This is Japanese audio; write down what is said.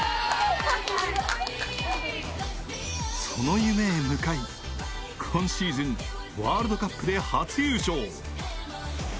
その夢へ向かい、今シーズンワールドカップで初優勝。